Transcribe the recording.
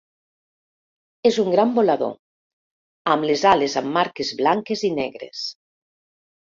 És un gran volador, amb les ales amb marques blanques i negres.